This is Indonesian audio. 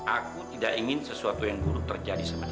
aku tidak ingin sesuatu yang buruk terjadi sama dia